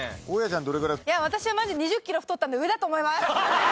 いや私はマジ２０キロ太ったんで上だと思います！